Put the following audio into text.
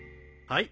はい。